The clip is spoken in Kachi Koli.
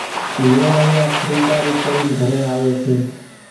زوئاڻيا خريداري ڪرين گھرين آوي سي